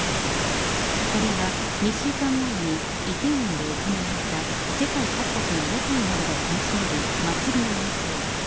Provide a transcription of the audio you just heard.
これは２週間前に、梨泰院で行われた、世界各国の屋台などが楽しめる祭りの映像。